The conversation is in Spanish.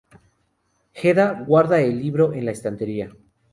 Hedda guarda el libro en la estantería.